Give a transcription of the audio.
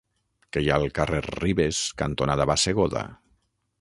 Què hi ha al carrer Ribes cantonada Bassegoda?